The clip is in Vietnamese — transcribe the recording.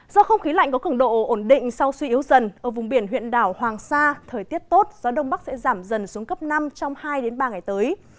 do không khí lạnh có cường độ ổn định sau suy yếu dần ở vùng biển huyện đảo hoàng sa thời tiết tốt gió đông bắc sẽ giảm dần xuống cấp năm trong hai ba ngày tới